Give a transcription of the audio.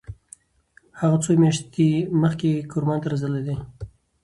هغه څو میاشتې مخکې کرمان ته رسېدلی و.